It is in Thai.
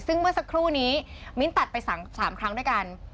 ซึ่งเมื่อสักครู่นี้มิ้นตัดไป๓ครั้งด้วยกัน